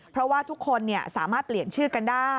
เพราะว่าทุกคนสามารถเปลี่ยนชื่อกันได้